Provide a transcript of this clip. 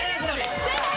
正解！